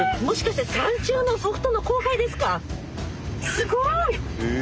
すごい！